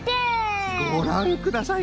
ごらんください